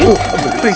iya dah ya mungkin ya